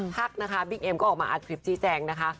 พักนะคะบิ๊กเอ็มก็ออกมาอัดคลิปชี้แจงนะคะ